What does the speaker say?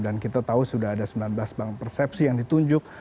dan kita tahu sudah ada sembilan belas bank persepsi yang ditunjuk